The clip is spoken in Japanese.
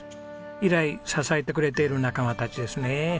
以来支えてくれている仲間たちですね。